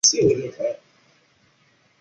然而这两种囊肿都不是由皮脂腺引起的。